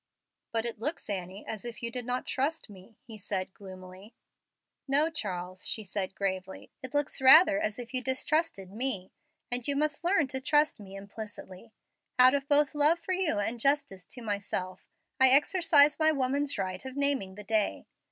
"But it looks, Annie, as if you could not trust me," he said, gloomily. "No, Charles," she said, gravely, "it looks rather as if you distrusted me; and you must learn to trust me implicitly. Out of both love for you and justice to myself, I exercise my woman's right of naming the day.